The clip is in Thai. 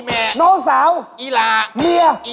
มันย้ายแล้วมั้ง